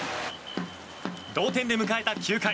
同点で迎えた９回。